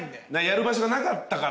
やる場所がなかったから。